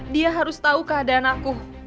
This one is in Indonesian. dia harus tahu keadaan aku